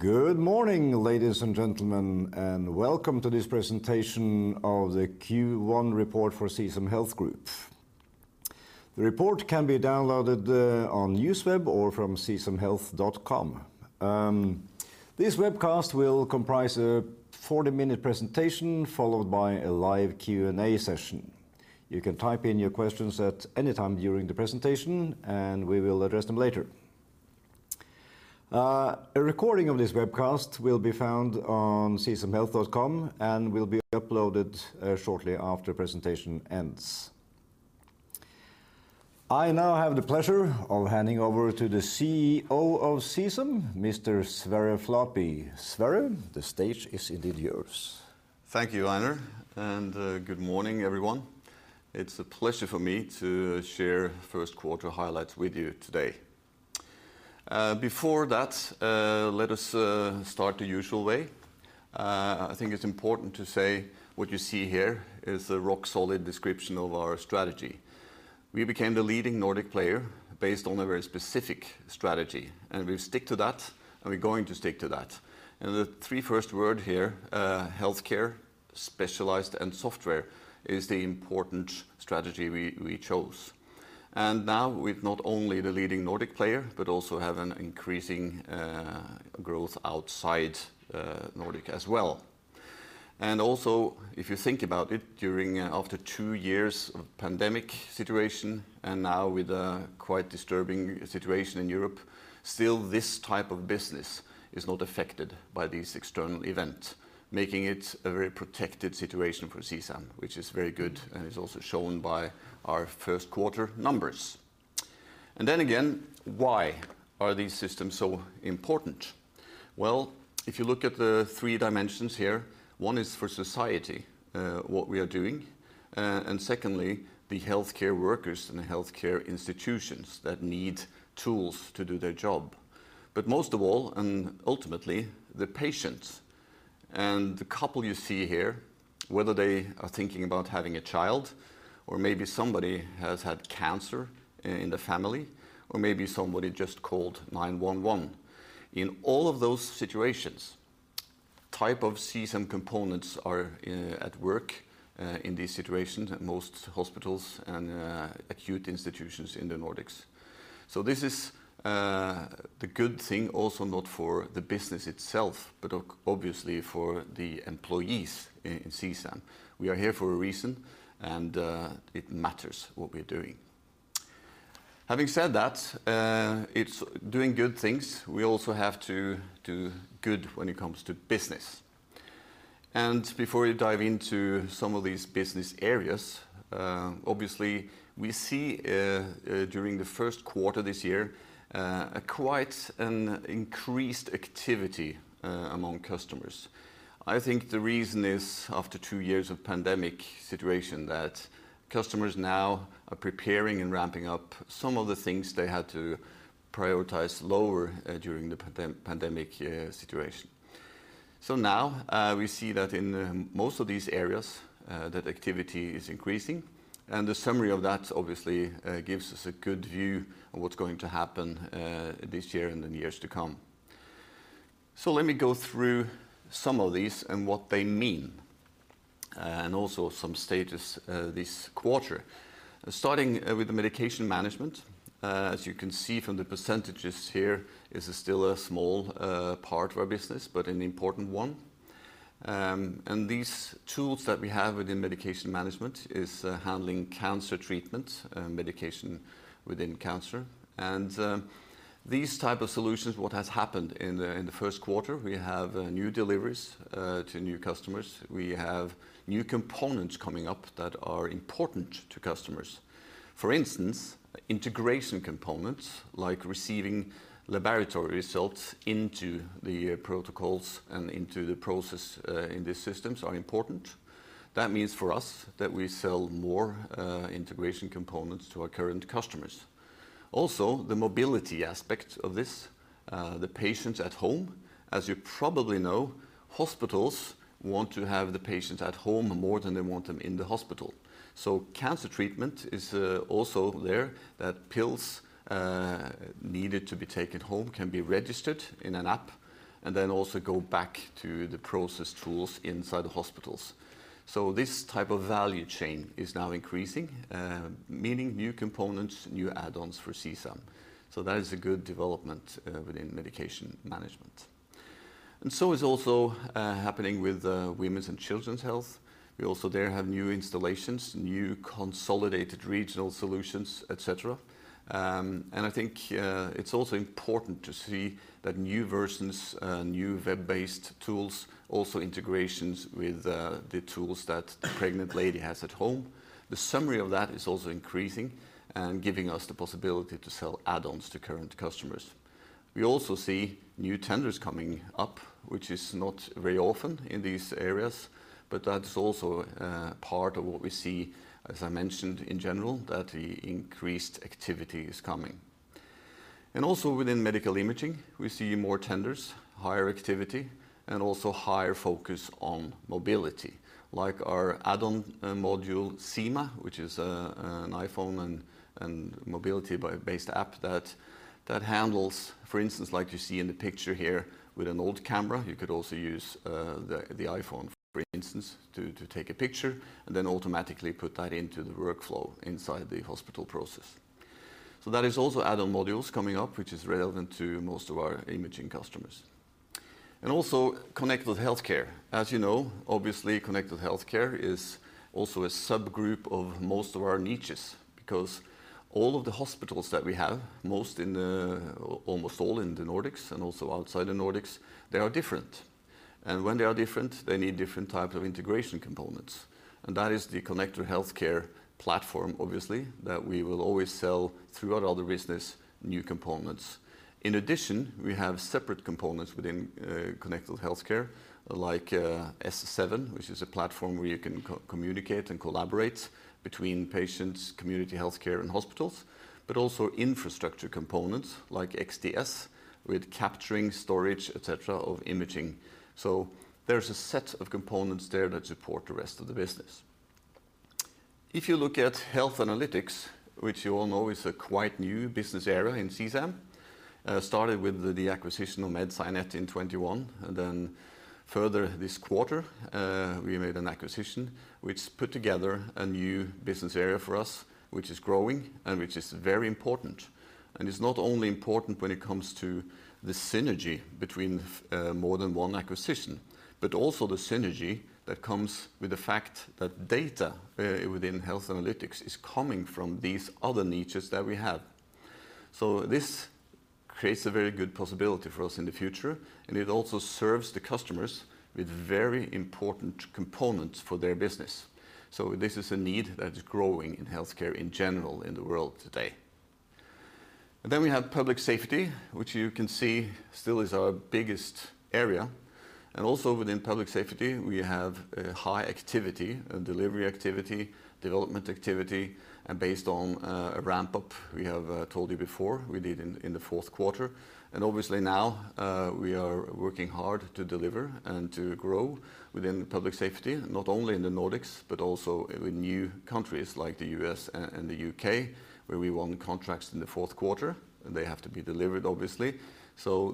Good morning, ladies and gentlemen, and welcome to this presentation of the Q1 report for CSAM Health Group. The report can be downloaded on NewsWeb or from csamhealth.com. This webcast will comprise a 40-minute presentation followed by a live Q&A session. You can type in your questions at any time during the presentation and we will address them later. A recording of this webcast will be found on csamhealth.com and will be uploaded shortly after presentation ends. I now have the pleasure of handing over to the Chief Executive Officer of CSAM, Mr. Sverre Flatby. Sverre, the stage is indeed yours. Thank you Einar, and, good morning everyone. It's a pleasure for me to share first quarter highlights with you today. Before that, let us start the usual way. I think it's important to say what you see here is a rock solid description of our strategy. We became the leading Nordic player based on a very specific strategy, and we stick to that, and we're going to stick to that. The three first word here, healthcare, specialized, and software is the important strategy we chose. Now with not only the leading Nordic player, but also have an increasing growth outside Nordic as well. Also, if you think about it after two years of pandemic situation and now with a quite disturbing situation in Europe, still this type of business is not affected by this external event, making it a very protected situation for CSAM, which is very good and is also shown by our first quarter numbers. Again, why are these systems so important? Well, if you look at the three dimensions here, one is for society, what we are doing, and secondly, the healthcare workers and the healthcare institutions that need tools to do their job. Most of all, and ultimately, the patients and the couple you see here, whether they are thinking about having a child or maybe somebody has had cancer in the family, or maybe somebody just called 911. In all of those situations, type of CSAM components are at work in these situations at most hospitals and acute institutions in the Nordics. This is the good thing also not for the business itself, but obviously for the employees in CSAM. We are here for a reason and it matters what we're doing. Having said that, it's doing good things. We also have to do good when it comes to business. Before we dive into some of these business areas, obviously we see during the first quarter this year a quite an increased activity among customers. I think the reason is after two years of pandemic situation that customers now are preparing and ramping up some of the things they had to prioritize lower during the pandemic situation. Now, we see that in most of these areas that activity is increasing and the summary of that obviously gives us a good view of what's going to happen this year and in years to come. Let me go through some of these and what they mean, and also some status this quarter. Starting with the Medication Management, as you can see from the percentages here is still a small part of our business, but an important one. These tools that we have within Medication Management is handling cancer treatment medication within cancer. These type of solutions, what has happened in the first quarter, we have new deliveries to new customers. We have new components coming up that are important to customers. For instance, integration components like receiving laboratory results into the protocols and into the process, in these systems are important. That means for us that we sell more, integration components to our current customers. Also, the mobility aspect of this, the patients at home. As you probably know, hospitals want to have the patients at home more than they want them in the hospital. Cancer treatment is also there that pills, needed to be taken home can be registered in an app and then also go back to the process tools inside the hospitals. This type of value chain is now increasing, meaning new components, new add-ons for CSAM. That is a good development, within Medication Management. Is also happening with Women's and Children's Health. We also there have new installations, new consolidated regional solutions, etc. I think it's also important to see that new versions, new web-based tools, also integrations with the tools that the pregnant lady has at home. The summary of that is also increasing and giving us the possibility to sell add-ons to current customers. We also see new tenders coming up, which is not very often in these areas, but that's also part of what we see, as I mentioned in general, that the increased activity is coming. Also within medical imaging, we see more tenders, higher activity, and also higher focus on mobility, like our add-on module CIMA, which is an iPhone and mobility web-based app that handles, for instance, like you see in the picture here with an old camera, you could also use the iPhone for instance to take a picture and then automatically put that into the workflow inside the hospital process. That is also add-on modules coming up, which is relevant to most of our imaging customers. Also connected healthcare. As you know, obviously, connected healthcare is also a subgroup of most of our niches because all of the hospitals that we have, almost all in the Nordics and also outside the Nordics, they are different. When they are different, they need different types of integration components. That is the Connected Healthcare platform, obviously, that we will always sell throughout all the business, new components. In addition, we have separate components within connected healthcare, like S7, which is a platform where you can co-communicate and collaborate between patients, community healthcare, and hospitals, but also infrastructure components like XDS with capturing storage, et cetera, of imaging. There's a set of components there that support the rest of the business. If you look at Health Analytics, which you all know is a quite new business area in CSAM, started with the acquisition of MedSciNet in 2021, and then further this quarter, we made an acquisition which put together a new business area for us, which is growing and which is very important. It's not only important when it comes to the synergy between, more than one acquisition, but also the synergy that comes with the fact that data, within Health Analytics is coming from these other niches that we have. This creates a very good possibility for us in the future, and it also serves the customers with very important components for their business. This is a need that is growing in healthcare in general in the world today. We have Public Safety, which you can see still is our biggest area. Within Public Safety, we have a high activity, a delivery activity, development activity, and based on a ramp-up we have told you before we did in the fourth quarter. Obviously now we are working hard to deliver and to grow within Public Safety, not only in the Nordics, but also in new countries like the U.S., and the U.K., where we won contracts in the fourth quarter, and they have to be delivered, obviously.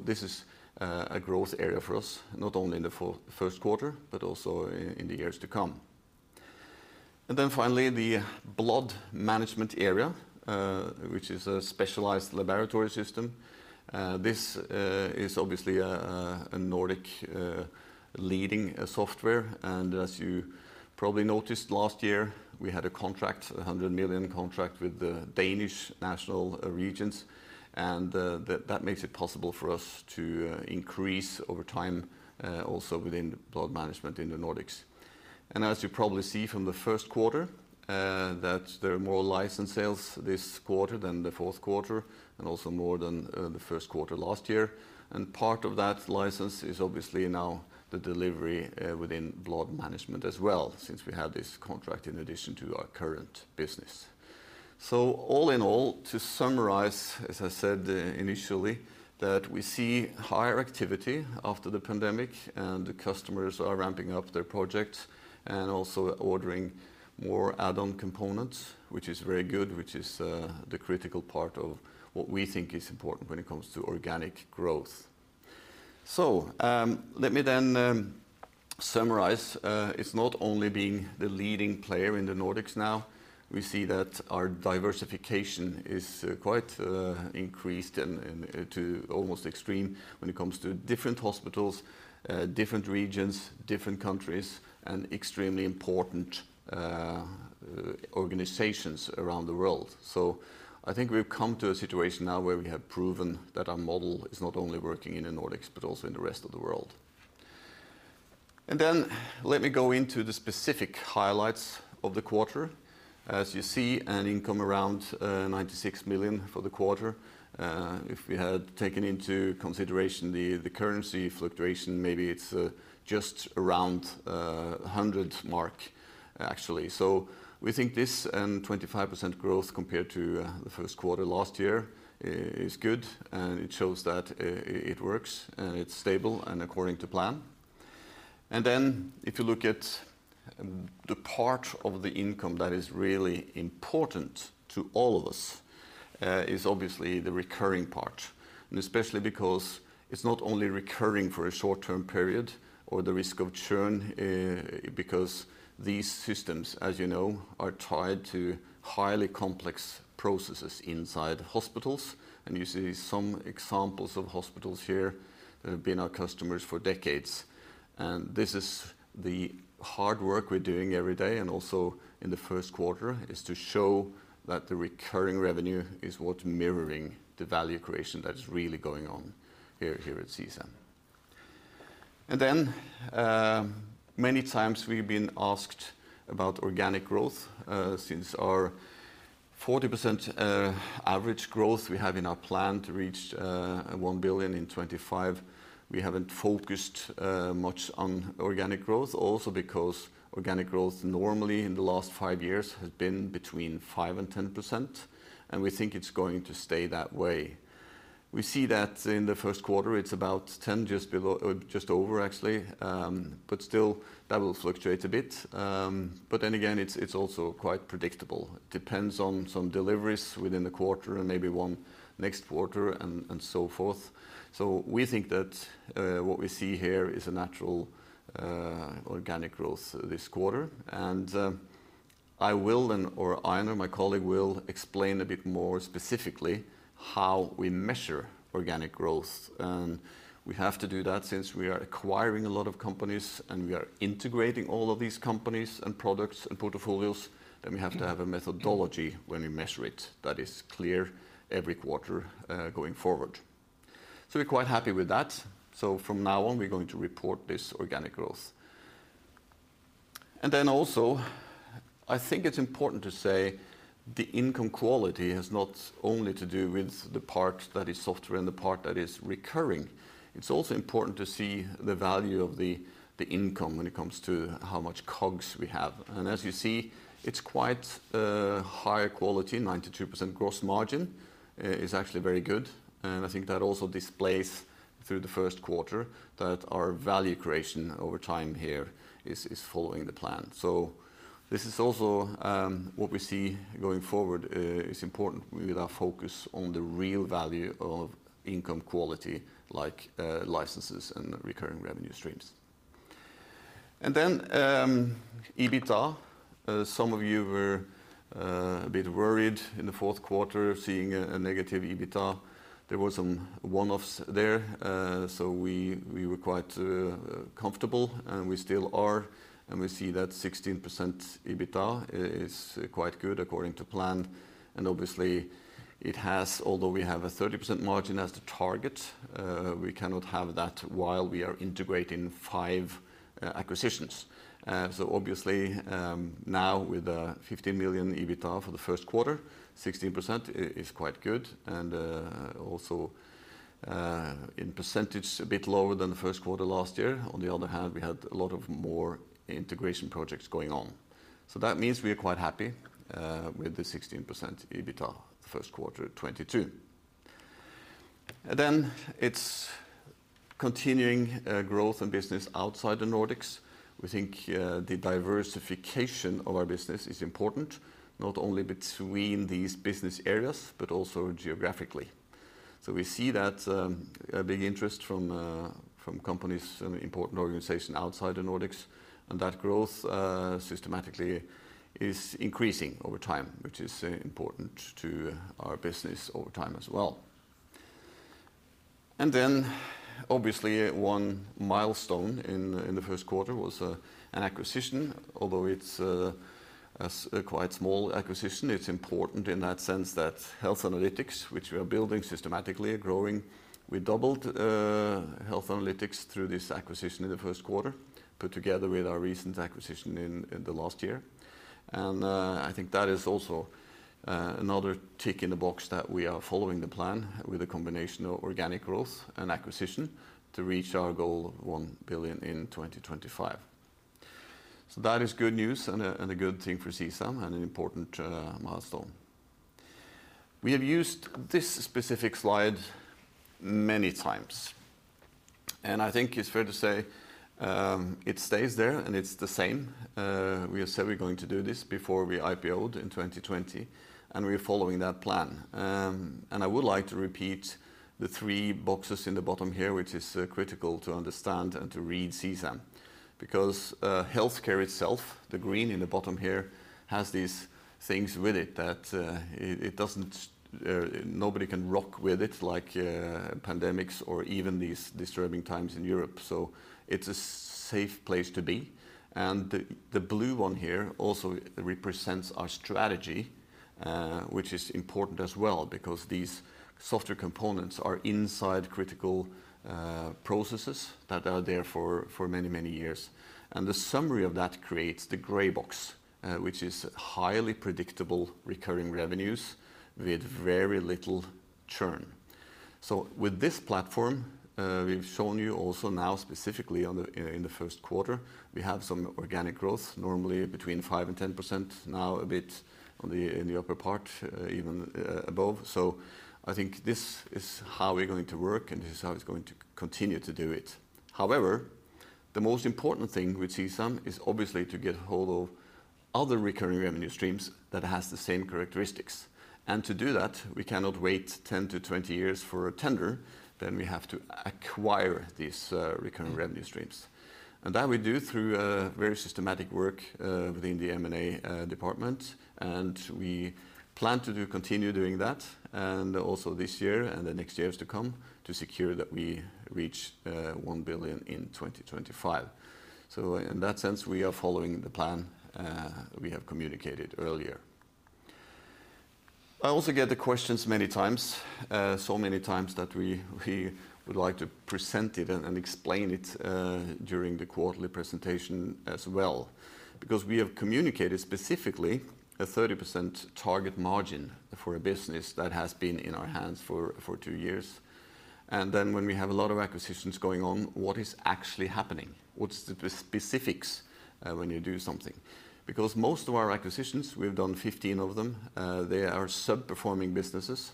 This is a growth area for us, not only in the first quarter, but also in the years to come. Finally, the Blood Management area, which is a specialized laboratory system. This is obviously a Nordic leading software. As you probably noticed last year, we had a contract, 100 million contract with the Danish national regions. That makes it possible for us to increase over time, also within Blood Management in the Nordics. As you probably see from the first quarter, that there are more license sales this quarter than the fourth quarter and also more than the first quarter last year. Part of that license is obviously now the delivery within Blood Management as well, since we have this contract in addition to our current business. All in all, to summarize, as I said initially, that we see higher activity after the pandemic, and the customers are ramping up their projects and also ordering more add-on components, which is very good, the critical part of what we think is important when it comes to organic growth. Let me then summarize. It's not only being the leading player in the Nordics now, we see that our diversification is quite increased and to almost extreme when it comes to different hospitals, different regions, different countries, and extremely important organizations around the world. I think we've come to a situation now where we have proven that our model is not only working in the Nordics, but also in the rest of the world. Let me go into the specific highlights of the quarter. As you see, an income around 96 million for the quarter. If we had taken into consideration the currency fluctuation, maybe it's just around the 100 mark, actually. We think this and 25% growth compared to the first quarter last year is good, and it shows that it works and it's stable and according to plan. Then if you look at the part of the income that is really important to all of us is obviously the recurring part, and especially because it's not only recurring for a short-term period or the risk of churn because these systems, as you know, are tied to highly complex processes inside hospitals. You see some examples of hospitals here that have been our customers for decades. This is the hard work we're doing every day and also in the first quarter, is to show that the recurring revenue is what's mirroring the value creation that is really going on here at CSAM. Many times we've been asked about organic growth. Since our 40% average growth we have in our plan to reach 1 billion in 2025, we haven't focused much on organic growth, also because organic growth normally in the last five years has been between 5%-10%, and we think it's going to stay that way. We see that in the first quarter, it's about 10% just below or just over actually. Still that will fluctuate a bit. It's also quite predictable. Depends on some deliveries within the quarter and maybe one next quarter and so forth. We think that what we see here is a natural organic growth this quarter. I will then, or Einar, my colleague, will explain a bit more specifically how we measure organic growth. We have to do that since we are acquiring a lot of companies, and we are integrating all of these companies and products and portfolios, then we have to have a methodology when we measure it that is clear every quarter going forward. We're quite happy with that. From now on, we're going to report this organic growth. Then also, I think it's important to say the income quality has not only to do with the part that is software and the part that is recurring. It's also important to see the value of the income when it comes to how much COGS we have. As you see, it's quite high quality, 92% gross margin. is actually very good. I think that also displays through the first quarter that our value creation over time here is following the plan. This is also what we see going forward is important with our focus on the real value of income quality like licenses and recurring revenue streams. Then EBITDA some of you were a bit worried in the fourth quarter seeing a negative EBITDA. There was some one-offs there so we were quite comfortable, and we still are, and we see that 16% EBITDA is quite good according to plan. Obviously, it has, although we have a 30% margin as the target, we cannot have that while we are integrating five acquisitions. Obviously, now with the 15 million EBITDA for the first quarter, 16% is quite good. Also in percentage, a bit lower than the first quarter last year. On the other hand, we had a lot more integration projects going on. That means we are quite happy with the 16% EBITDA first quarter 2022. It's continuing growth and business outside the Nordics. We think the diversification of our business is important, not only between these business areas, but also geographically. We see that a big interest from companies and important organizations outside the Nordics, and that growth systematically is increasing over time, which is important to our business over time as well. Then, obviously, one milestone in the first quarter was an acquisition. Although it's a quite small acquisition, it's important in that sense that Health Analytics, which we are building systematically, are growing. We doubled Health Analytics through this acquisition in the first quarter, put together with our recent acquisition in the last year. I think that is also another tick in the box that we are following the plan with a combination of organic growth and acquisition to reach our goal of 1 billion in 2025. That is good news and a good thing for CSAM and an important milestone. We have used this specific slide many times, and I think it's fair to say it stays there, and it's the same. We said we're going to do this before we IPO'd in 2020, and we're following that plan. I would like to repeat the three boxes in the bottom here, which is critical to understand and to read CSAM. Because healthcare itself, the green in the bottom here, has these things with it that nobody can mess with it like pandemics or even these disturbing times in Europe. It's a safe place to be. The blue one here also represents our strategy, which is important as well because these software components are inside critical processes that are there for many years. The summary of that creates the gray box, which is highly predictable recurring revenues with very little churn. With this platform, we've shown you also now specifically in the first quarter, we have some organic growth, normally between 5%-10%, now a bit in the upper part, even above. I think this is how we're going to work, and this is how it's going to continue to do it. However, the most important thing with CSAM is obviously to get hold of other recurring revenue streams that has the same characteristics. To do that we cannot wait 10-20 years for a tender, then we have to acquire these recurring revenue streams. That we do through very systematic work within the M&A department. We plan to continue doing that, and also this year and the next years to come, to secure that we reach 1 billion in 2025. In that sense, we are following the plan we have communicated earlier. I also get the questions many times, so many times that we would like to present it and explain it during the quarterly presentation as well. Because we have communicated specifically a 30% target margin for a business that has been in our hands for two years. Then when we have a lot of acquisitions going on, what is actually happening? What's the specifics when you do something? Most of our acquisitions, we've done 15 of them, they are underperforming businesses.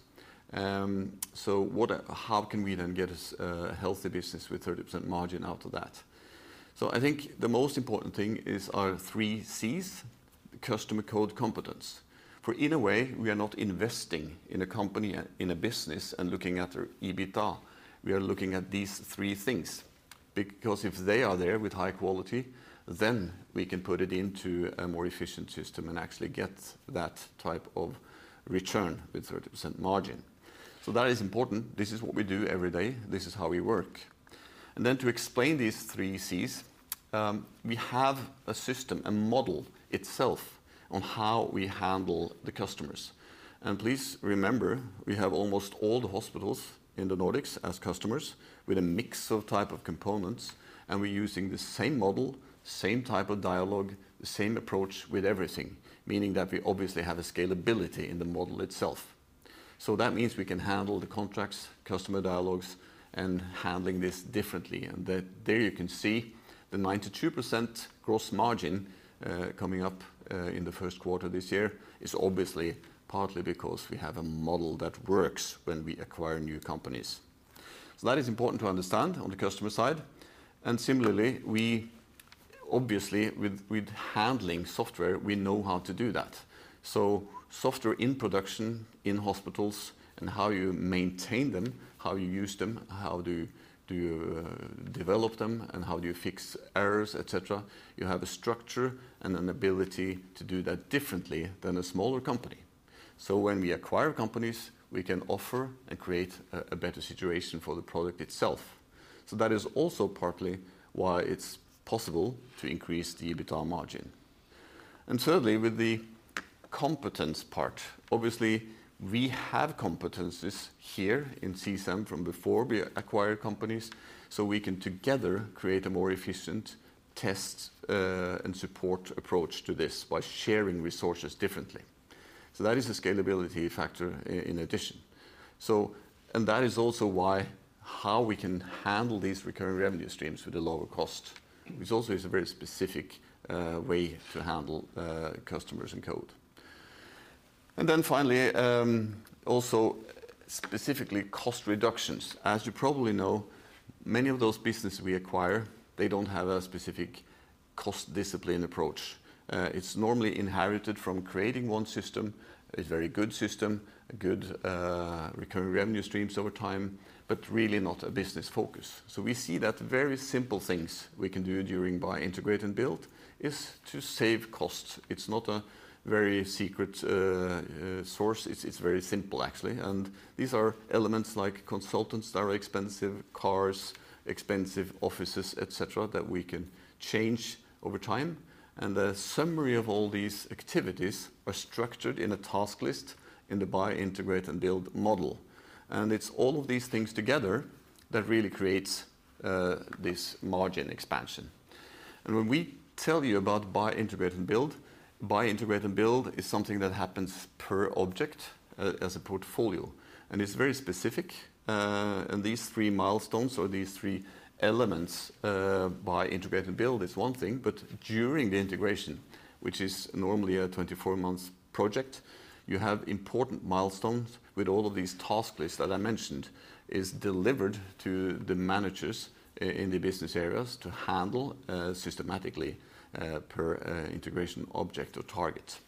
What, how can we then get a healthy business with 30% margin out of that? I think the most important thing is our 3Cs, customer code competence. In a way, we are not investing in a company, in a business and looking at their EBITDA, we are looking at these three things. Because if they are there with high quality, then we can put it into a more efficient system and actually get that type of return with 30% margin. That is important. This is what we do every day, this is how we work. Then to explain these 3Cs, we have a system, a model itself on how we handle the customers. Please remember, we have almost all the hospitals in the Nordics as customers with a mix of type of components, and we're using the same model, same type of dialogue, the same approach with everything. Meaning that we obviously have a scalability in the model itself. That means we can handle the contracts, customer dialogues, and handling this differently. That there you can see the 92% gross margin coming up in the first quarter this year is obviously partly because we have a model that works when we acquire new companies. That is important to understand on the customer side. Similarly, we obviously with handling software, we know how to do that. Software in production in hospitals and how you maintain them, how you use them, how do you develop them and how you fix errors, etc., you have a structure and an ability to do that differently than a smaller company. When we acquire companies, we can offer and create a better situation for the product itself. That is also partly why it's possible to increase the EBITDA margin. Thirdly, with the competence part, obviously we have competencies here in CSAM from before we acquire companies, so we can together create a more efficient test and support approach to this by sharing resources differently. That is a scalability factor in addition. That is also why how we can handle these recurring revenue streams with a lower cost, which also is a very specific way to handle customers and code. Finally, also specifically cost reductions. As you probably know, many of those businesses we acquire, they don't have a specific cost discipline approach. It's normally inherited from creating one system, a very good system, a good recurring revenue streams over time, but really not a business focus. We see that very simple things we can do during buy, integrate, and build is to save costs. It's not a very secret source. It's very simple actually. These are elements like consultants, expensive cars, expensive offices, etc., that we can change over time. The summary of all these activities are structured in a task list in the buy, integrate, and build model. It's all of these things together that really creates this margin expansion. When we tell you about buy, integrate, and build, buy, integrate, and build is something that happens per object as a portfolio. It's very specific, and these three milestones or these three elements, buy, integrate, and build is one thing, but during the integration, which is normally a 24-month project, you have important milestones with all of these task lists that I mentioned is delivered to the managers in the business areas to handle systematically per integration object or target.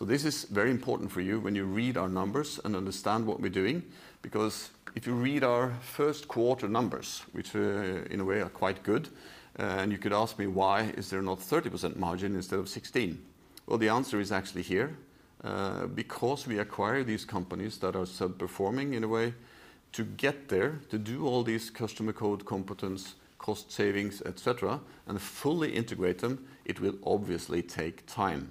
This is very important for you when you read our numbers and understand what we're doing because if you read our first quarter numbers, which in a way are quite good, and you could ask me, "Why is there not 30% margin instead of 16%?" Well, the answer is actually here, because we acquire these companies that are sub-performing in a way to get there, to do all these customers, code, competence, cost savings, et cetera, and fully integrate them, it will obviously take time.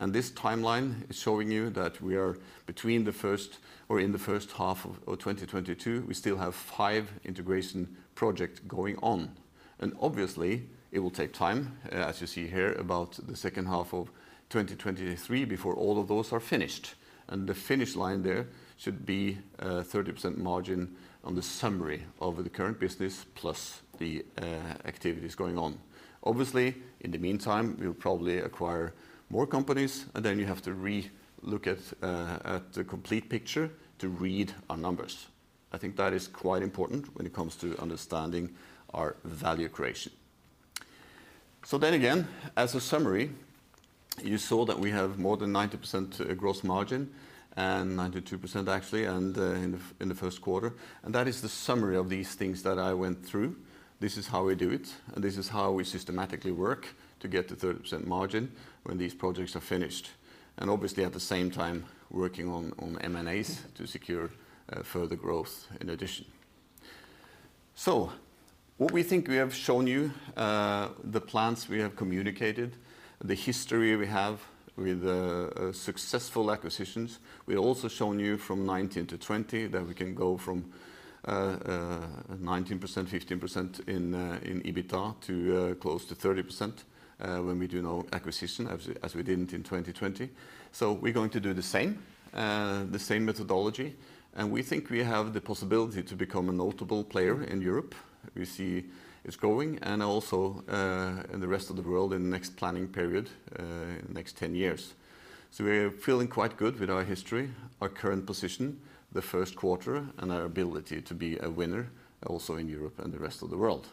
This timeline is showing you that we are in the first half of 2022, we still have five integration projects going on. Obviously it will take time, as you see here, about the second half of 2023 before all of those are finished. The finish line there should be a 30% margin on the summary of the current business plus the activities going on. Obviously, in the meantime, we'll probably acquire more companies and then you have to re-look at the complete picture to read our numbers. I think that is quite important when it comes to understanding our value creation. Again, as a summary, you saw that we have more than 90% gross margin and 92% actually, and in the first quarter. That is the summary of these things that I went through. This is how we do it and this is how we systematically work to get the 30% margin when these projects are finished. Obviously, at the same time working on M&As to secure further growth in addition. What we think we have shown you, the plans we have communicated, the history we have with successful acquisitions. We've also shown you from 2019 to 2020 that we can go from 19%, 15% in EBITDA to close to 30%, when we do no acquisition as we didn't in 2020. We're going to do the same methodology, and we think we have the possibility to become a notable player in Europe. We see it's growing and also in the rest of the world in the next planning period, next 10 years. We're feeling quite good with our history, our current position, the first quarter, and our ability to be a winner also in Europe and the rest of the world.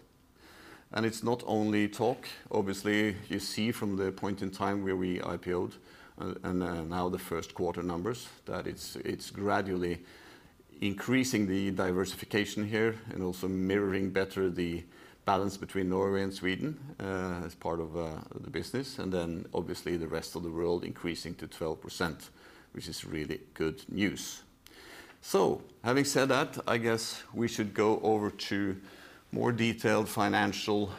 It's not only talk. Obviously, you see from the point in time where we IPO'd and now the first quarter numbers that it's gradually increasing the diversification here and also mirroring better the balance between Norway and Sweden as part of the business, and then obviously the rest of the world increasing to 12%, which is really good news. Having said that, I guess we should go over to more detailed financial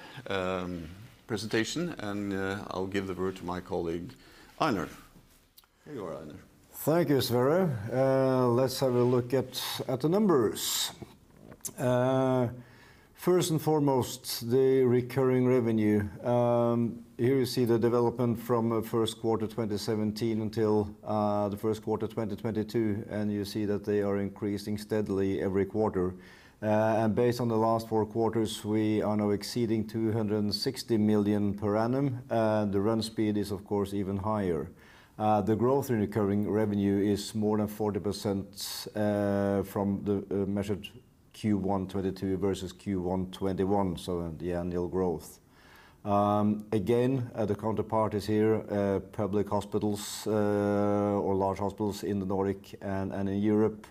presentation, and I'll give the word to my colleague, Einar. Here you are, Einar. Thank you, Sverre. Let's have a look at the numbers. First and foremost, the recurring revenue. Here you see the development from first quarter 2017 until the first quarter 2022, and you see that they are increasing steadily every quarter. Based on the last four quarters, we are now exceeding 260 million per annum, the run rate is of course even higher. The growth in recurring revenue is more than 40%, from the measured Q1 2022 versus Q1 2021, so the annual growth. Again, the counterpart is here, public hospitals or large hospitals in the Nordics and in Europe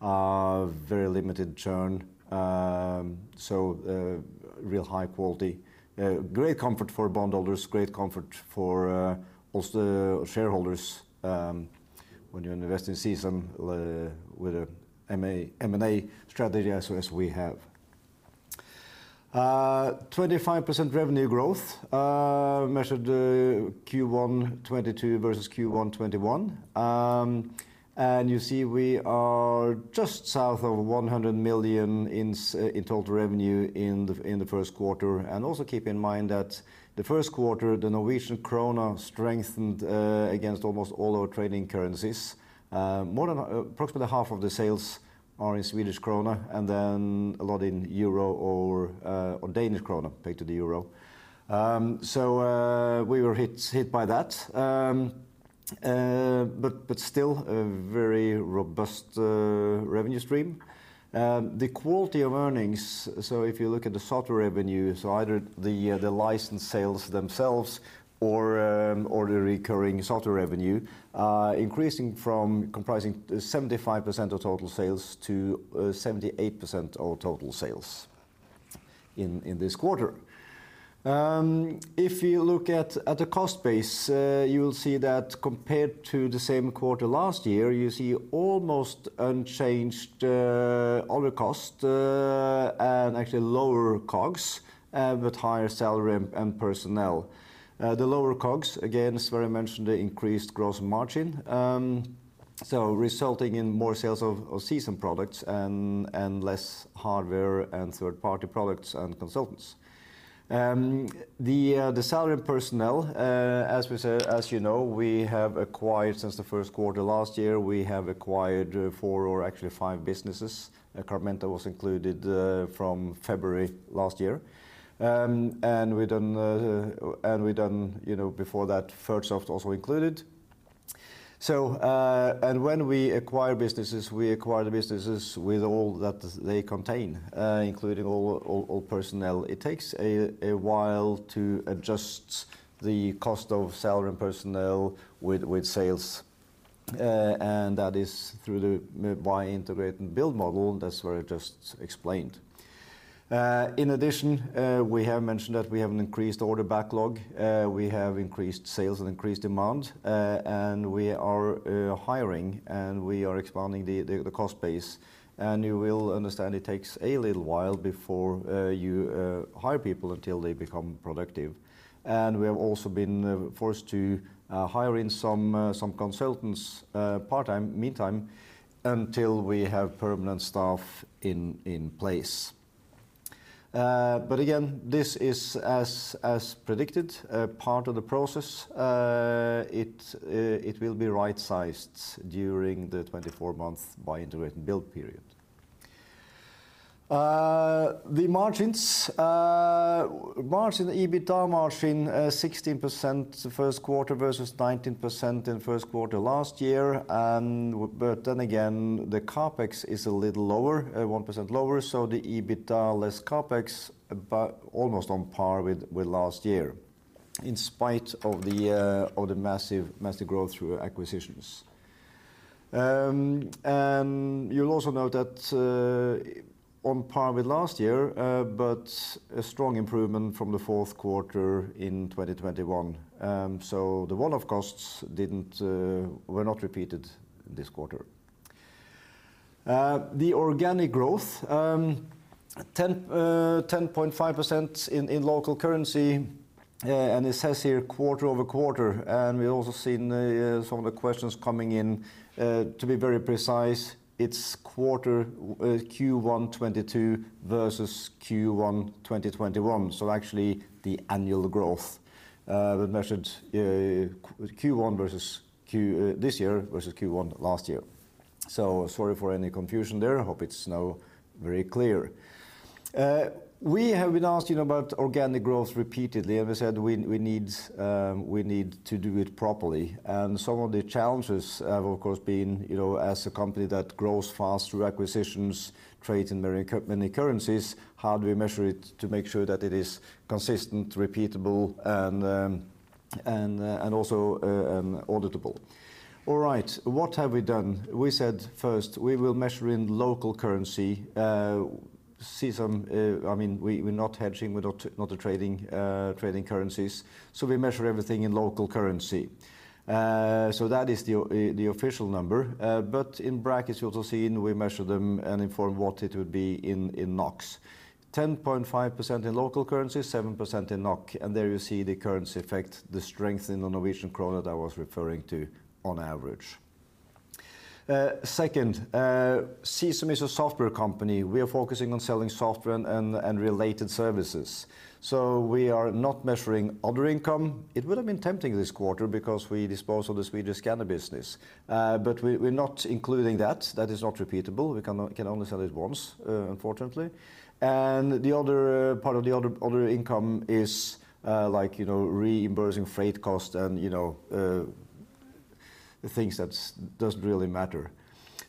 are very limited churn, so real high quality. Great comfort for bondholders, great comfort for also shareholders, when you invest in CSAM with an M&A strategy as we have. 25% revenue growth, measured Q1 2022 versus Q1 2021. You see we are just south of 100 million in total revenue in the first quarter. Also keep in mind that the first quarter, the Norwegian krone strengthened against almost all our trading currencies. Approximately half of the sales are in Swedish krone, and then a lot in Euro or Danish krone pegged to the Euro. We were hit by that. But still a very robust revenue stream. The quality of earnings, so if you look at the software revenue, so either the license sales themselves or the recurring software revenue, increasing from comprising 75% of total sales to 78% of total sales in this quarter. If you look at the cost base, you'll see that compared to the same quarter last year, you see almost unchanged other costs and actually lower COGS, but higher salary and personnel. The lower COGS, again, as Sverre mentioned, the increased gross margin, so resulting in more sales of SaaS products and less hardware and third-party products and consultants. The salary and personnel, as we said, as you know, we have acquired since the first quarter last year, we have acquired four or actually five businesses. Carmenta was included from February last year. We'd done you know before that, Fertsoft also included. When we acquire businesses, we acquire the businesses with all that they contain, including all personnel. It takes a while to adjust the cost of salary and personnel with sales, and that is through the buy, integrate, and build model, that's what I just explained. In addition, we have mentioned that we have an increased order backlog. We have increased sales and increased demand, and we are hiring, and we are expanding the cost base. You will understand it takes a little while before you hire people until they become productive. We have also been forced to hire in some consultants part-time meantime until we have permanent staff in place. This is as predicted a part of the process. It will be right-sized during the 24-month buy, integrate, and build period. The EBITDA margin 16% the first quarter versus 19% in first quarter last year. But then again, the CapEx is a little lower, 1% lower, so the EBITDA less CapEx about almost on par with last year, in spite of the massive growth through acquisitions. You'll also note that on par with last year, but a strong improvement from the fourth quarter in 2021. The one-off costs were not repeated this quarter. The organic growth 10.5% in local currency. It says here quarter-over-quarter, and we also see in some of the questions coming in. To be very precise, it's Q1 2022 versus Q1 2021, so actually the annual growth we measured Q1 versus this year versus Q1 last year. Sorry for any confusion there. I hope it's now very clear. We have been asked, you know, about organic growth repeatedly, and we said we need to do it properly. Some of the challenges have of course been, you know, as a company that grows fast through acquisitions, trade in many currencies, how do we measure it to make sure that it is consistent, repeatable and also auditable? All right. What have we done? We said first we will measure in local currency. I mean, we're not hedging. We're not trading currencies. We measure everything in local currency. That is the official number. But in brackets you'll see we measure them and inform what it would be in NOK. 10.5% in local currency, 7% in NOK, and there you see the currency effect, the strength in the Norwegian krone that I was referring to on average. Second, CSAM is a software company. We are focusing on selling software and related services. We are not measuring other income. It would have been tempting this quarter because we dispose of the Swedish scanner business, but we're not including that. That is not repeatable. We can only sell it once, unfortunately. The other part of the other income is, like, you know, reimbursing freight costs and, you know things that doesn't really matter.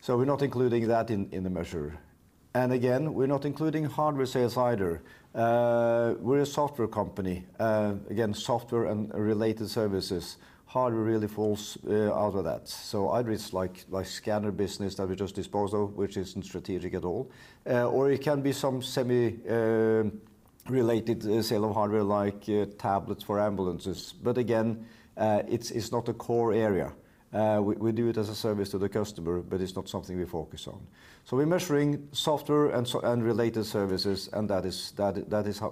We're not including that in the measure. Again, we're not including hardware sales either. We're a software company, again, software and related services. Hardware really falls out of that. Either it's like scanner business that we just disposed of which isn't strategic at all, or it can be some semi-related sale of hardware like tablets for ambulances. Again, it's not a core area. We do it as a service to the customer, but it's not something we focus on. We're measuring software and related services, and that is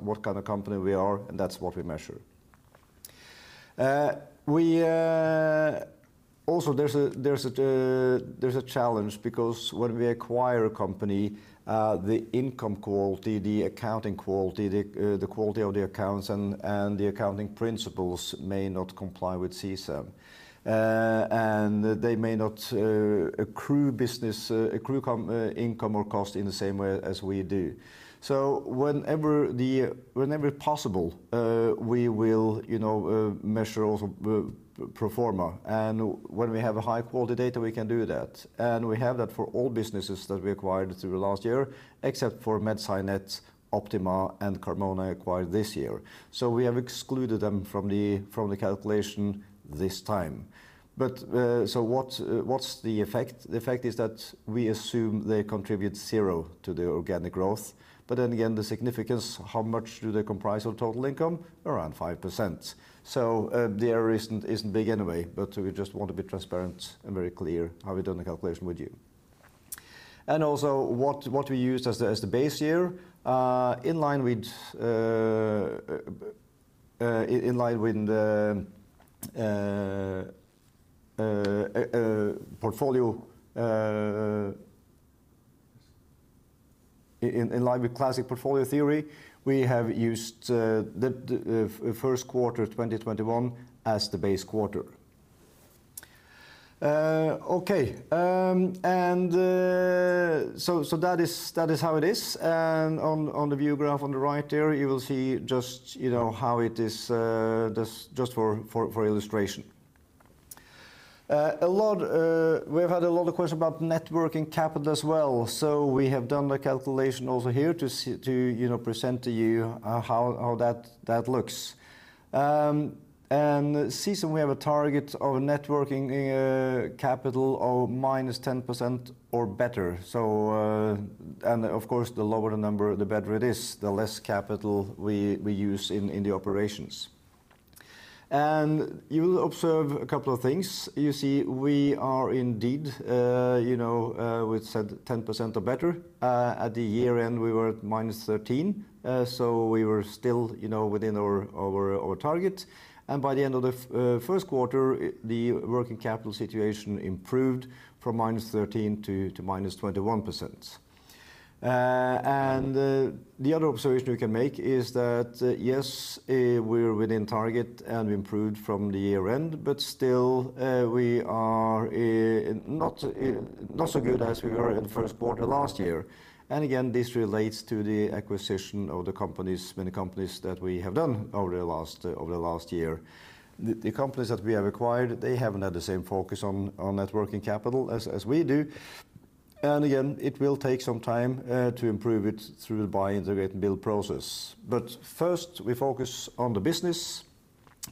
what kind of company we are, and that's what we measure. There's a challenge because when we acquire a company, the income quality, the accounting quality, the quality of the accounts and the accounting principles may not comply with CSAM. They may not accrue income or cost in the same way as we do. Whenever possible, we will measure also pro forma, and when we have high-quality data, we can do that. We have that for all businesses that we acquired through the last year, except for MedSciNet, Optima, and Carmenta acquired this year. We have excluded them from the calculation this time. What's the effect? The effect is that we assume they contribute zero to the organic growth. The significance, how much do they comprise of total income? Around 5%. The error isn't big anyway, but we just want to be transparent and very clear how we've done the calculation with you. What we used as the base year in line with the portfolio. In line with classic portfolio theory, we have used the first quarter of 2021 as the base quarter. Okay. That is how it is. On the view graph on the right here you will see just, you know, how it is, just for illustration. We've had a lot of questions about net working capital as well, so we have done the calculation also here to, you know, present to you how that looks. In CSAM, we have a target of net working capital of minus 10% or better. Of course, the lower the number, the better it is, the less capital we use in the operations. You will observe a couple of things. You see we are indeed, you know, within said 10% or better. At the year-end, we were at minus 13, so we were still, you know, within our target. By the end of the first quarter, the working capital situation improved from -13% to -21%. The other observation we can make is that, yes, we're within target and improved from the year-end, but still, we are not so good as we were in the first quarter last year. This relates to the acquisition of the companies, many companies that we have done over the last year. The companies that we have acquired, they haven't had the same focus on net working capital as we do. It will take some time to improve it through buy, integrate, and build process. First, we focus on the business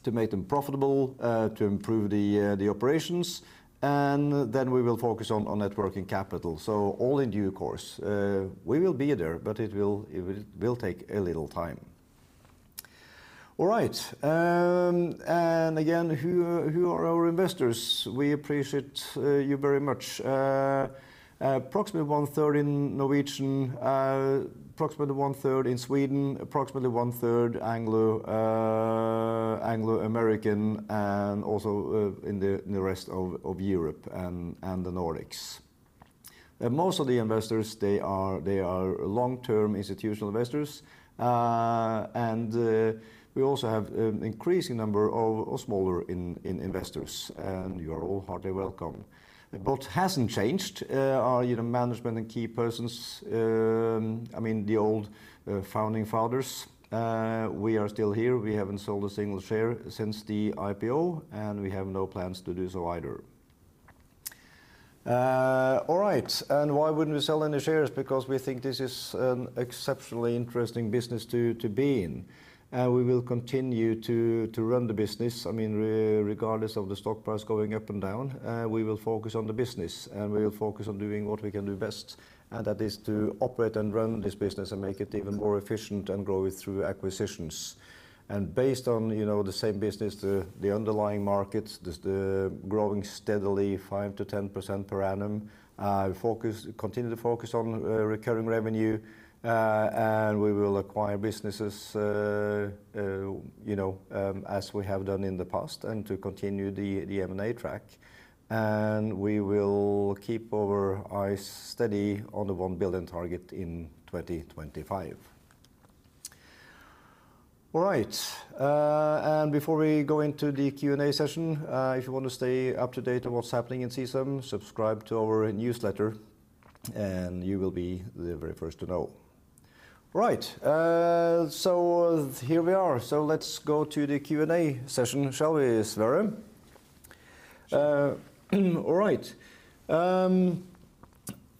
to make them profitable, to improve the operations, and then we will focus on net working capital. All in due course. We will be there, but it will take a little time. All right. Again, who are our investors? We appreciate you very much. Approximately one-third in Norwegian, approximately 1/3 in Sweden, approximately 1/3 Anglo American, and also in the rest of Europe and the Nordics. Most of the investors, they are long-term institutional investors. We also have increasing number of smaller investors, and you are all heartily welcome. What hasn't changed are, you know, management and key persons, I mean, the old founding fathers. We are still here. We haven't sold a single share since the IPO, and we have no plans to do so either. Why wouldn't we sell any shares? Because we think this is an exceptionally interesting business to be in, and we will continue to run the business. I mean, regardless of the stock price going up and down, we will focus on the business, and we will focus on doing what we can do best, and that is to operate and run this business and make it even more efficient and grow it through acquisitions. Based on you know, the same business, the underlying markets they're growing steadily 5%-10% per annum, continue to focus on recurring revenue, and we will acquire businesses as we have done in the past and to continue the M&A track. We will keep our eyes steady on the 1 billion target in 2025. All right. Before we go into the Q&A session, if you wanna stay up to date on what's happening in CSAM, subscribe to our newsletter and you will be the very first to know. Right. Here we are. Let's go to the Q&A session shall we, Sverre? Sure. All right.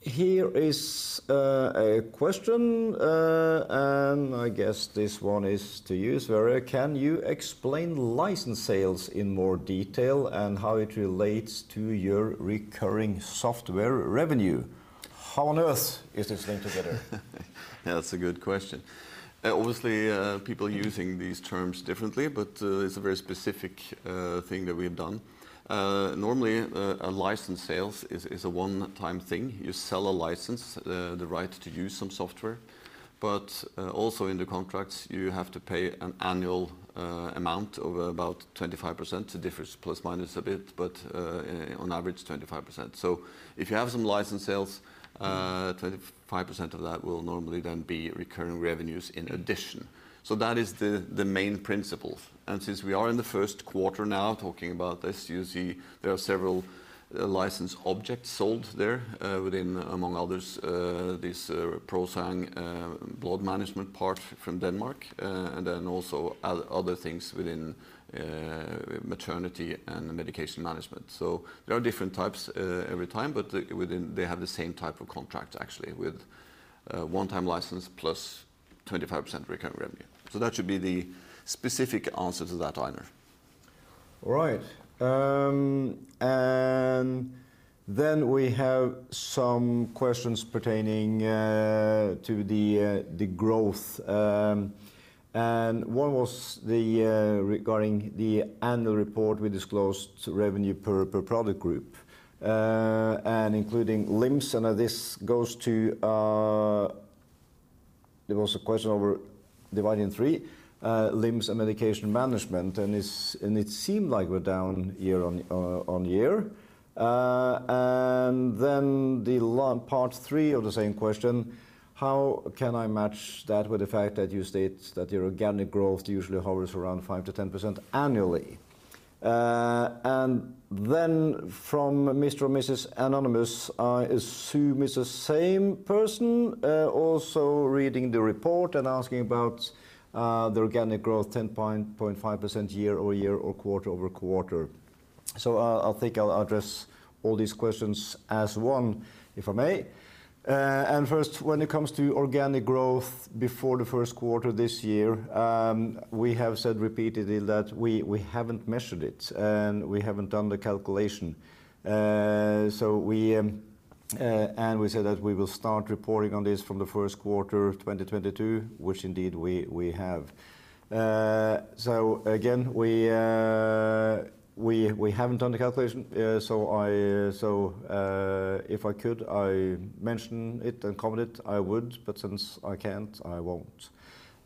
Here is a question, and I guess this one is to you Sverre. Can you explain license sales in more detail and how it relates to your recurring software revenue? How on earth is this linked together? That's a good question. Obviously, people using these terms differently, but it's a very specific thing that we have done. Normally, a license sales is a one-time thing. You sell a license, the right to use some software. Also in the contracts you have to pay an annual amount of about 25%. It differs +- a bit, but on average, 25%. If you have some license sales, 25% of that will normally then be recurring revenues in addition. That is the main principle. Since we are in the first quarter now talking about this, you see there are several license objects sold there within, among others, this ProSang Blood Management part from Denmark, and then also other things within maternity and Medication Management. There are different types every time, but within they have the same type of contract actually with one-time license +25% recurring revenue. That should be the specific answer to that, Einar. All right. We have some questions pertaining to the growth. One was regarding the annual report, we disclosed revenue per product group, including LIMS. This goes to. There was a question over the decline in LIMS and Medication Management, and it seemed like we're down year-on-year. Part three of the same question, How can I match that with the fact that you state that your organic growth usually hovers around 5%-10% annually? From Mr. or Mrs. Anonymous, I assume it's the same person, also reading the report and asking about the organic growth 10.5% year-over-year or quarter-over-quarter. I think I'll address all these questions as one, if I may. First, when it comes to organic growth before the first quarter this year, we have said repeatedly that we haven't measured it, and we haven't done the calculation. We said that we will start reporting on this from the first quarter of 2022, which indeed we have. Again, we haven't done the calculation, if I could mention it and comment it, I would, but since I can't, I won't.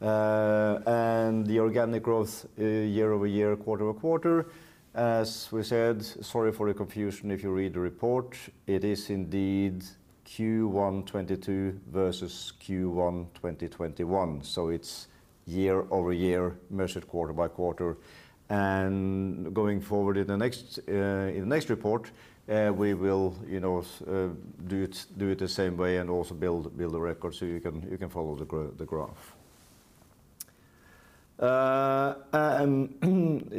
The organic growth year-over-year, quarter-over-quarter, as we said, sorry for the confusion if you read the report, it is indeed Q1 2022 versus Q1 2021. It's year-over-year, measured quarter by quarter. Going forward in the next report, we will, you know, do it the same way and also build a record so you can follow the graph.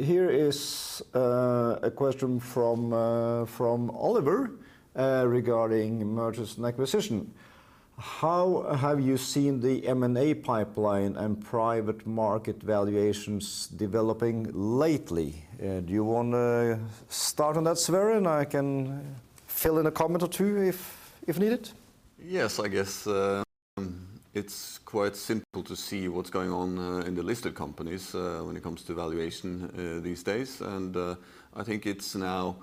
Here is a question from Oliver regarding mergers and acquisitions. How have you seen the M&A pipeline and private market valuations developing lately? Do you wanna start on that, Sverre? I can fill in a comment or two if needed. Yes, I guess it's quite simple to see what's going on in the listed companies when it comes to valuation these days. I think it's now,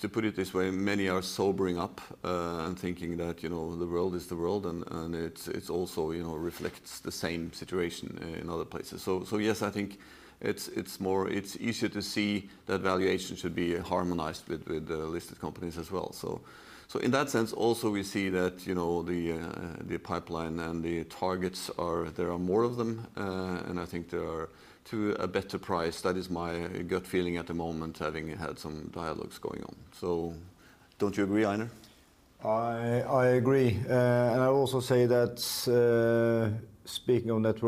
to put it this way, many are sobering up and thinking that, you know, the world is the world and it's also, you know, reflects the same situation in other places. Yes, I think it's easier to see that valuation should be harmonized with the listed companies as well. In that sense also we see that, you know, the pipeline and the targets, there are more of them and I think they are at a better price. That is my gut feeling at the moment, having had some dialogues going on. Don't you agree, Einar? I agree. I would also say that, speaking of net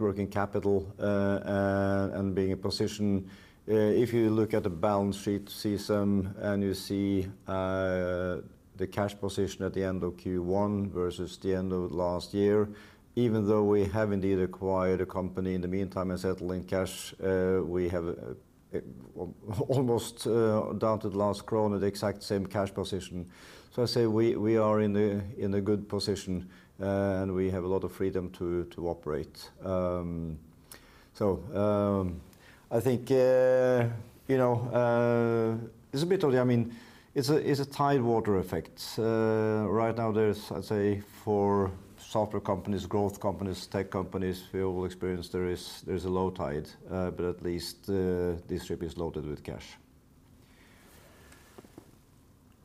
working capital, and being in a position, if you look at the balance sheet section and you see the cash position at the end of Q1 versus the end of last year, even though we have indeed acquired a company in the meantime and settled it in cash, we have almost, down to the last crown, at the exact same cash position. I say we are in a good position, and we have a lot of freedom to operate. I think, you know, it's a bit of the. I mean, it's a tide water effect. Right now there's, I'd say, for software companies, growth companies, tech companies, we all experience there's a low tide. At least, Distrib is loaded with cash.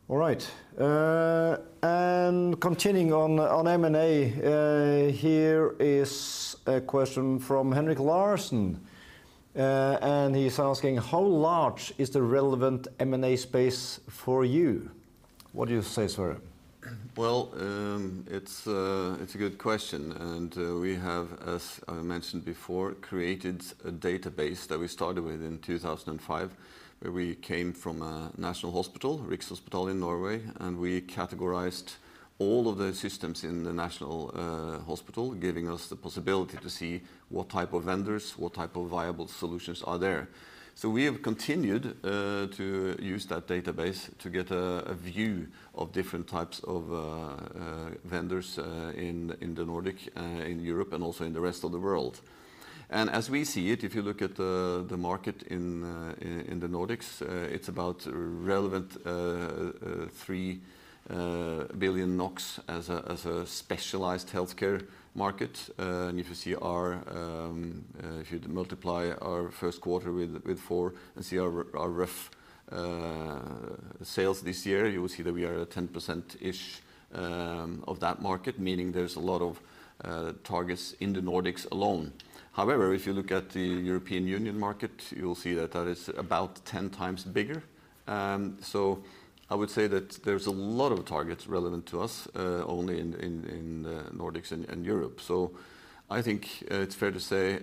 All right. Continuing on M&A, here is a question from Henrik Larsen. He's asking: "How large is the relevant M&A space for you?" What do you say, Sverre? Well it's a good question, and we have, as I mentioned before, created a database that we started with in 2005, where we came from a national hospital, Rikshospitalet in Norway, and we categorized all of the systems in the national hospital, giving us the possibility to see what type of vendors, what type of viable solutions are there. We have continued to use that database to get a view of different types of vendors in the Nordics, in Europe and also in the rest of the world. As we see it, if you look at the market in the Nordics, it's about relevant 3 billion NOK as a specialized healthcare market. If you multiply our first quarter with four and see our rough sales this year, you will see that we are at 10%-ish of that market, meaning there's a lot of targets in the Nordics alone. However, if you look at the European Union market, you'll see that that is about 10x bigger. I would say that there's a lot of targets relevant to us only in Nordics and Europe. I think it's fair to say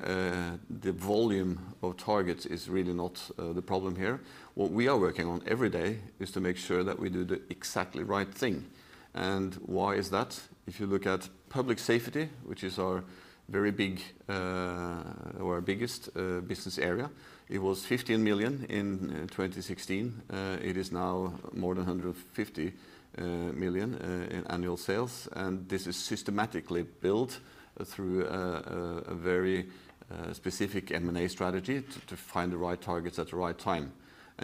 the volume of targets is really not the problem here. What we are working on every day is to make sure that we do the exactly right thing. Why is that? If you look at Public Safety, which is our biggest business area, it was 15 million in 2016. It is now more than 150 million in annual sales, and this is systematically built through a very specific M&A strategy to find the right targets at the right time.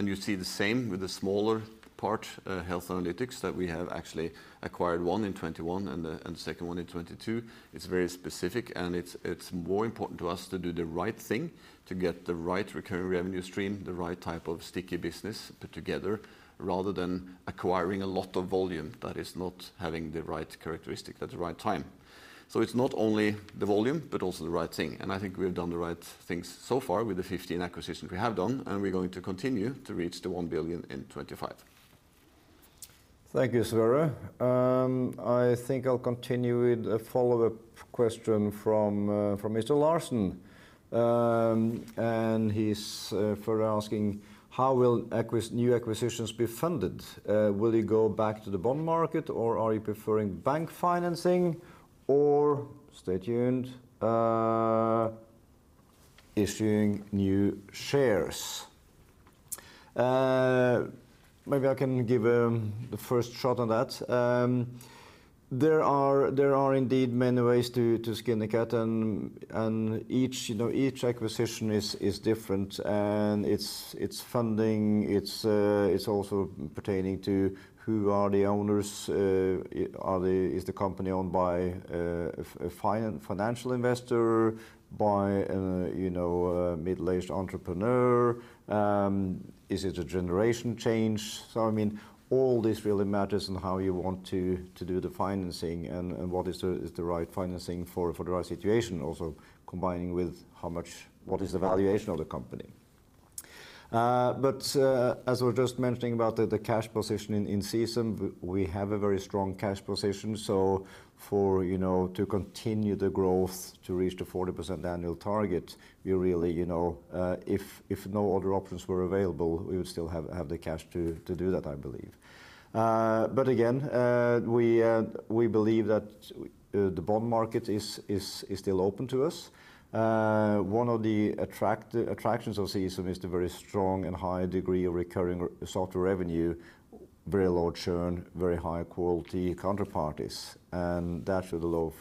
You see the same with the smaller part, Health Analytics, that we have actually acquired one in 2021 and second one in 2022. It's very specific, and it's more important to us to do the right thing, to get the right recurring revenue stream, the right type of sticky business put together, rather than acquiring a lot of volume that is not having the right characteristic at the right time. It's not only the volume, but also the right thing, and I think we've done the right things so far with the 15 acquisitions we have done, and we're going to continue to reach the 1 billion in 2025. Thank you Sverre. I think I'll continue with a follow-up question from Mr. Larsen. He's further asking, How will new acquisitions be funded? Will you go back to the bond market or are you preferring bank financing or issuing new shares? Maybe I can give the first shot on that. There are indeed many ways to skin a cat and each, you know, acquisition is different, and it's funding, it's also pertaining to who are the owners, are they? Is the company owned by a financial investor by you know, a middle-aged entrepreneur? Is it a generation change? I mean all this really matters in how you want to do the financing and what is the right financing for the right situation, also combining with how much what is the valuation of the company. But as I was just mentioning about the cash position in CSAM, we have a very strong cash position. For you know, to continue the growth to reach the 40% annual target, we really you know, if no other options were available, we would still have the cash to do that, I believe. But again, we believe that the bond market is still open to us. One of the attractions of CSAM is the very strong and high degree of recurring software revenue. Very low churn, very high quality counterparties. That should allow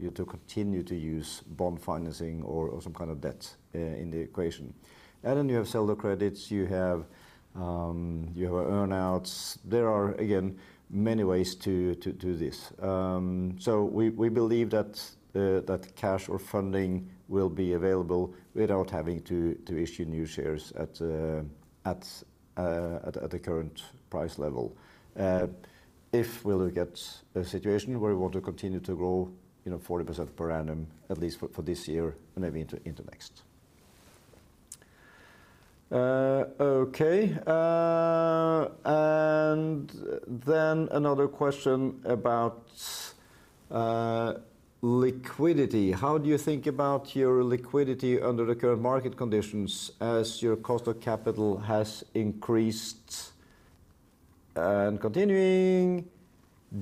you to continue to use bond financing or some kind of debt in the equation. Then you have seller credits, you have earn-outs. There are, again, many ways to this. So we believe that cash or funding will be available without having to issue new shares at the current price level. If we look at a situation where we want to continue to grow, you know, 40% per annum, at least for this year and maybe into next. Okay. Then another question about liquidity. How do you think about your liquidity under the current market conditions as your cost of capital has increased, and continuing,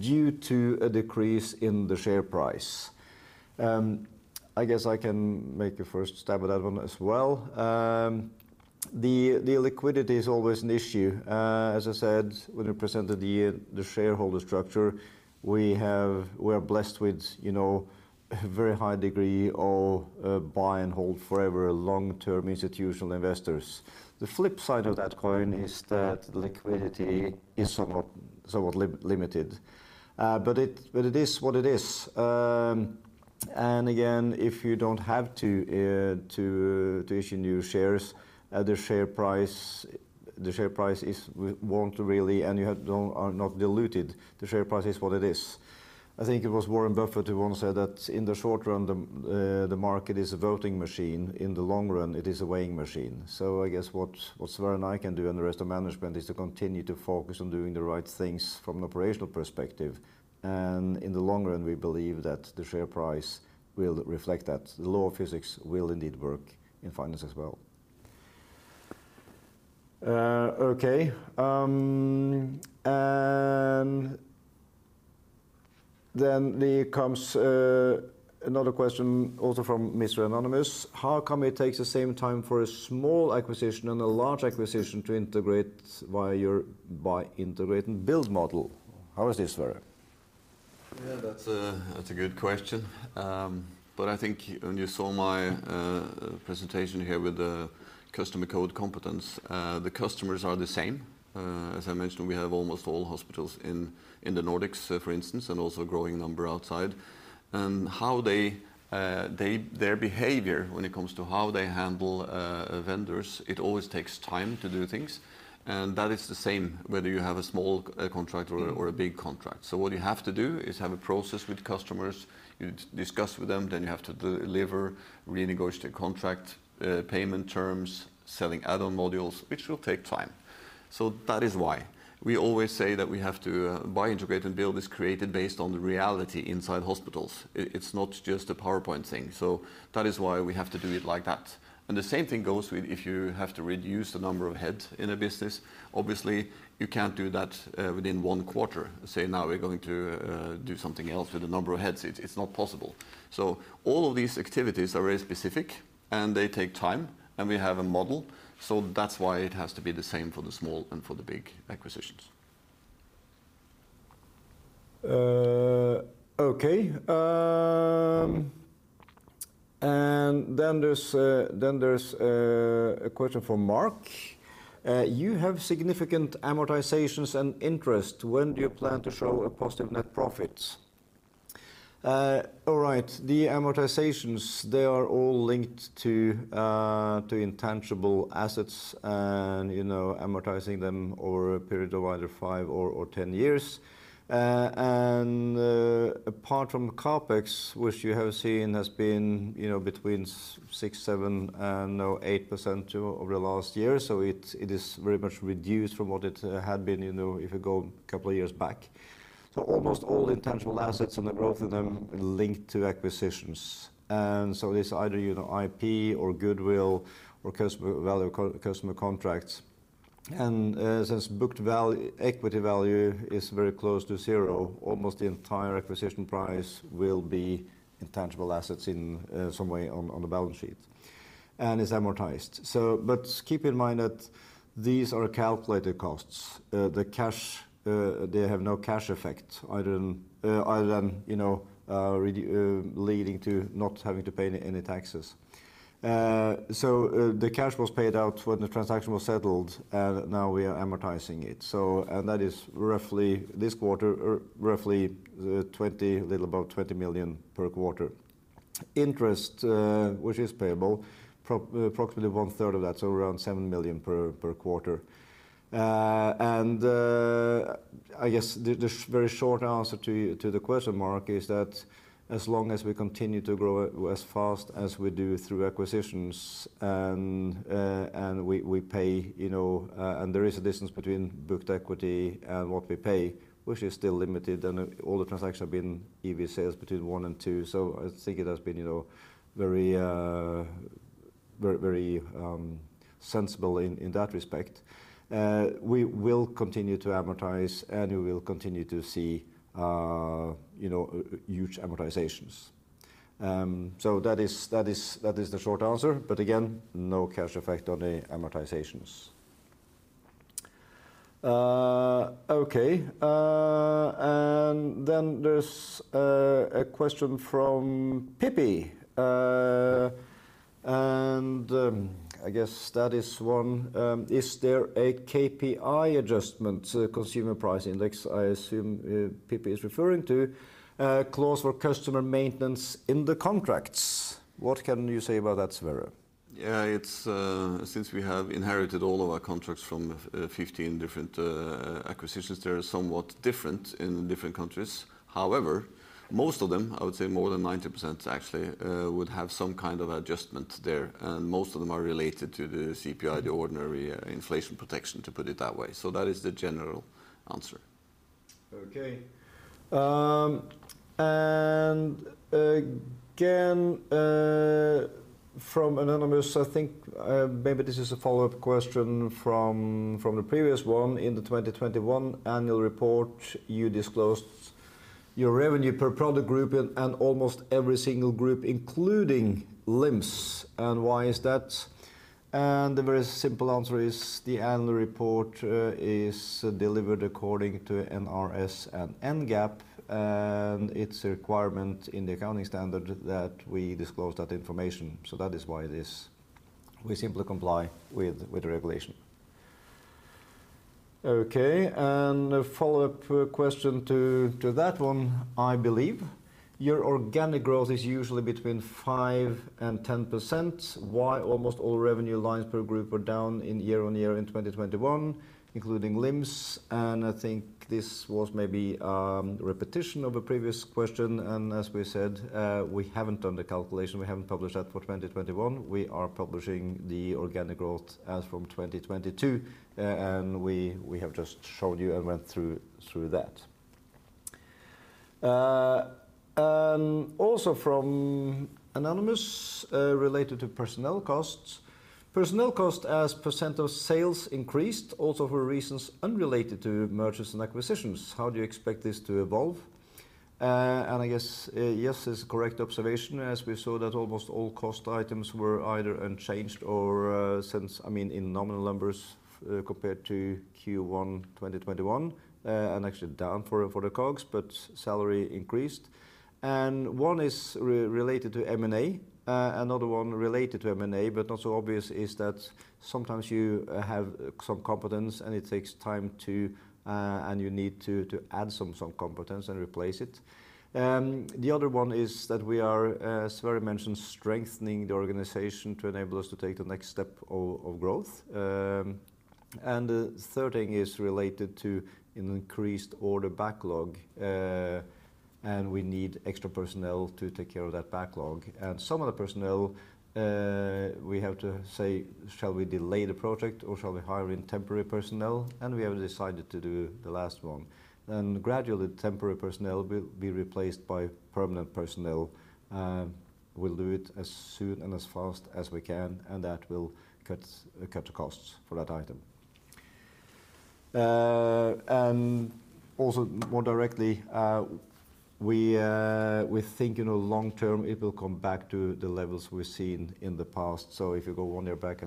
due to a decrease in the share price? I guess I can make a first stab at that one as well. The liquidity is always an issue. As I said, when we presented the shareholder structure, we're blessed with, you know, a very high degree of buy and hold forever long-term institutional investors. The flip side of that coin is that liquidity is somewhat limited. It is what it is. Again, if you don't have to issue new shares at the share price, the share price won't really, and you are not diluted. The share price is what it is. I think it was Warren Buffett who once said that in the short run, the market is a voting machine. In the long run, it is a weighing machine. I guess what Sverre and I can do, and the rest of management, is to continue to focus on doing the right things from an operational perspective. In the long run, we believe that the share price will reflect that. The law of physics will indeed work in finance as well. Then there comes another question also from Mr. Anonymous. How come it takes the same time for a small acquisition and a large acquisition to integrate via your buy-and-build model? How is this Sverre? Yeah that's a good question. I think when you saw my presentation here with the customers, code, competence, the customers are the same. As I mentioned, we have almost all hospitals in the Nordics, for instance, and also a growing number outside. How their behavior when it comes to how they handle vendors, it always takes time to do things. That is the same whether you have a small contract or a big contract. What you have to do is have a process with customers. You discuss with them, then you have to deliver, renegotiate a contract, payment terms, selling add-on modules, which will take time. That is why. We always say that we have to buy-and-build is created based on the reality inside hospitals. It's not just a PowerPoint thing. That is why we have to do it like that. The same thing goes with if you have to reduce the number of heads in a business. Obviously you can't do that within one quarter. Now we're going to do something else with the number of heads. It's not possible. All of these activities are very specific, and they take time, and we have a model. That's why it has to be the same for the small and for the big acquisitions. Okay. There's a question from Mark. You have significant amortizations and interest. When do you plan to show a positive net profit? All right. The amortizations, they are all linked to intangible assets and, you know, amortizing them over a period of either five or 10 years. Apart from CapEx, which you have seen has been, you know, between 6%, 7%, and now 8%, too, over the last year. It is very much reduced from what it had been, you know, if you go a couple of years back. Almost all intangible assets and the growth of them linked to acquisitions. It's either, you know, IP or goodwill or customer value, customer contracts. Since booked value, equity value is very close to zero, almost the entire acquisition price will be intangible assets in some way on the balance sheet. It's amortized. But keep in mind that these are calculated costs. These have no cash effect other than you know leading to not having to pay any taxes. The cash was paid out when the transaction was settled, and now we are amortizing it. That is roughly this quarter, or roughly a little above 20 million per quarter. Interest, which is payable, approximately one third of that, so around 7 million per quarter. I guess the very short answer to the question, Mark, is that as long as we continue to grow as fast as we do through acquisitions and we pay, you know, and there is a distance between booked equity and what we pay, which is still limited. All the transactions have been EV/Sales between one and two. I think it has been, you know, very sensible in that respect. We will continue to amortize, and we will continue to see, you know, huge amortizations. That is the short answer. Again, no cash effect on the amortizations. Okay. There's a question from Pippi. I guess that is one. Is there a CPI adjustment, so consumer price index, I assume, Pippi is referring to, clause for customer maintenance in the contracts? What can you say about that, Sverre? Yeah. It's since we have inherited all of our contracts from fifteen different acquisitions, they are somewhat different in different countries. However most of them, I would say more than 90% actually, would have some kind of adjustment there, and most of them are related to the CPI, the ordinary inflation protection, to put it that way. That is the general answer. Okay Again from anonymous, I think maybe this is a follow-up question from the previous one. In the 2021 annual report, you disclosed your revenue per product group and almost every single group including LIMS, and why is that? The very simple answer is the annual report is delivered according to NRS and NGAAP, and it's a requirement in the accounting standard that we disclose that information, so that is why it is. We simply comply with the regulation. Okay. A follow-up question to that one, I believe. Your organic growth is usually between 5%-10%. Why almost all revenue lines per group were down year-on-year in 2021, including LIMS? I think this was maybe repetition of a previous question. As we said, we haven't done the calculation. We haven't published that for 2021. We are publishing the organic growth as from 2022, and we have just showed you and went through that. Also anonymized related to personnel costs. Personnel cost as % of sales increased also for reasons unrelated to mergers and acquisitions. How do you expect this to evolve? I guess, yes, it's a correct observation as we saw that almost all cost items were either unchanged or I mean, in nominal numbers, compared to Q1 2021, and actually down for the COGS, but salary increased. One is related to M&A, another one related to M&A, but not so obvious, is that sometimes you have some competence and it takes time to, and you need to add some competence and replace it. The other one is that we are, as Sverre mentioned, strengthening the organization to enable us to take the next step of growth. The third thing is related to an increased order backlog, and we need extra personnel to take care of that backlog. Some of the personnel, we have to say, "Shall we delay the project or shall we hire in temporary personnel?" We have decided to do the last one. Gradually, temporary personnel will be replaced by permanent personnel, and we'll do it as soon and as fast as we can, and that will cut the costs for that item. Also more directly, we think, you know, long term it will come back to the levels we've seen in the past. If you go one year back,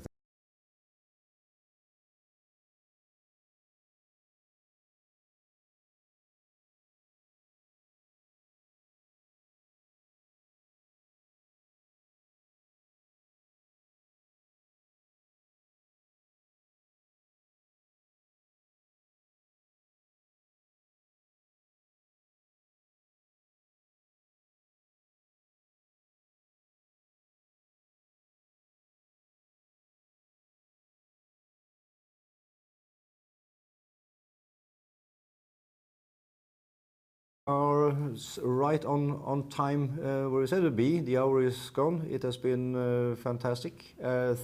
we are right on time, where we said we'd be. The hour is gone. It has been fantastic.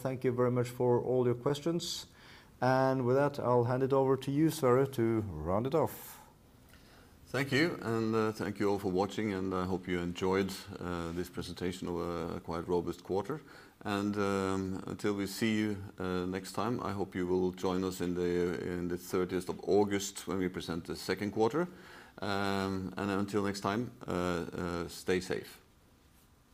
Thank you very much for all your questions. With that, I'll hand it over to you, Sverre, to round it off. Thank you. Thank you all for watching, and I hope you enjoyed this presentation of a quite robust quarter. Until we see you next time, I hope you will join us in the 30th of August when we present the second quarter. Until next time stay safe.